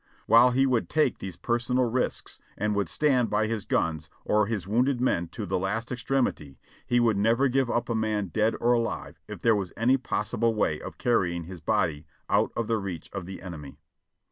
While he would take these personal risks and would stand by his guns or his wounded men to the last extremity, he would never give up a man dead or alive if there was any possible way of carrying his body out of the reach of the enemy.